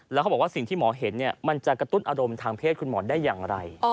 แล้วเขาบอกว่าสิ่งที่หมอเห็นมันจะกระตุ้นอารมณ์ทางเพศคุณหมอได้อย่างไร